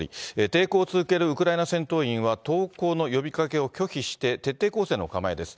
抵抗を続けるウクライナ戦闘員は、投降の呼びかけを拒否して、徹底抗戦の構えです。